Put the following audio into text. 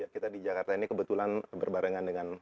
kita di jakarta ini kebetulan berbarengan dengan